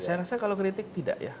saya rasa kalau kritik tidak ya